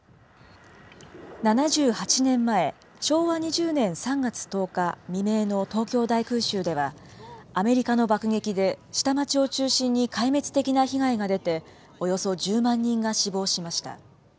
７８年前、昭和２０年３月１０日未明の東京大空襲では、アメリカの爆撃で、下町を中心に壊滅的な被害が出て、およそ１０万人が死亡しました。